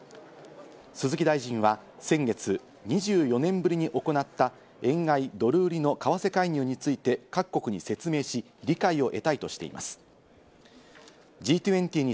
鈴木大臣は先月、２４年ぶりに行った、円買いドル売りの為替介入について各国に説明し、理解を得たいとしています。